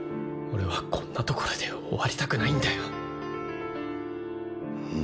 俺はこんなところで終わりたくないんだよ。